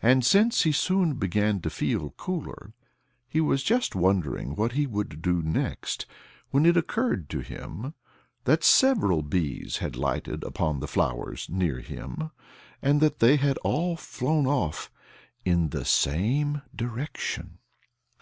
And since he soon began to feel cooler he was just wondering what he would do next when it occurred to him that several bees had lighted upon the flowers near him, and that they had all flown off in the same direction.